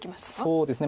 そうですね